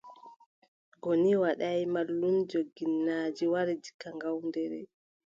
Goni Wadaay, mallumjo ginnaaji wari diga Ngawdere.